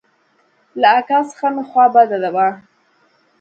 له اکا څخه مې خوا بده وه.